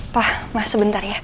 pak mas sebentar ya